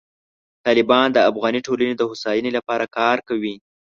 طالبان د افغاني ټولنې د هوساینې لپاره کار کوي.